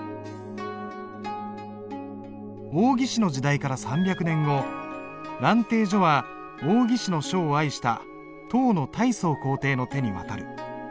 王羲之の時代から３００年後「蘭亭序」は王羲之の書を愛した唐の太宗皇帝の手に渡る。